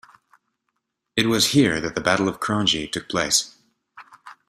It was here that the Battle of Kranji took place.